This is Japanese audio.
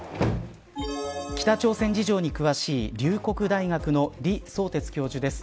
北朝鮮事情に詳しい龍谷大学の李相哲教授です。